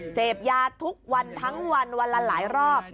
เสพยาทุกวันทั้งวันวันละหลายรอบ